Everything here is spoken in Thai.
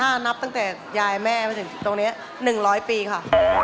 ถ้านับตั้งแต่ยายแม่มาถึงตรงนี้๑๐๐ปีค่ะ